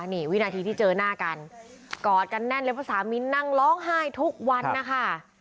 นี่วินาทีที่เจอหน้ากันกอดกันแน่นเลยเพราะสามีนั่งร้องไห้ทุกวันนะคะ